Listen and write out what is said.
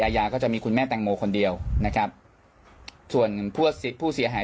ยายาก็จะมีคุณแม่แตงโมคนเดียวนะครับส่วนพวกผู้เสียหาย